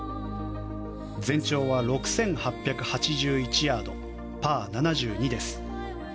全長は６８８１ヤードパー７２です。